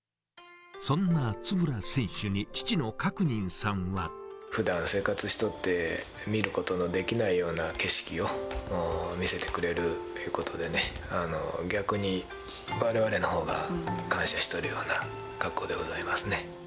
そんな円選手に、ふだん生活しておって、見ることのできないような景色を見せてくれるということでね、逆にわれわれのほうが感謝しているような格好でございますね。